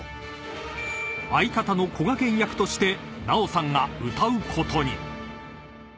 ［相方のこがけん役として奈緒さんが歌うことに］